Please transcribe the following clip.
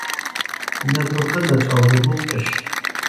ბინადრობდა დაჭაობებულ ტყეში.